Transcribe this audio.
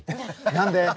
何で？